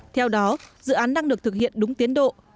theo đó dự án đang được thực hiện đúng tiến độ